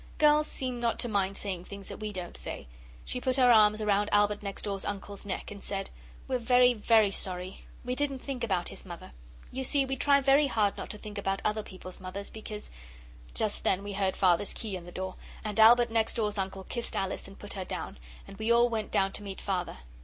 Girls seem not to mind saying things that we don't say. She put her arms round Albert next door's uncle's neck and said 'We're very, very sorry. We didn't think about his mother. You see we try very hard not to think about other people's mothers because ' Just then we heard Father's key in the door and Albert next door's uncle kissed Alice and put her down, and we all went down to meet Father.